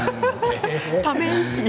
ため息。